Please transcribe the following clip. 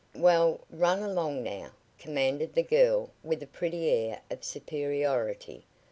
"Well, run along now," commanded the girl with a pretty air of superiority.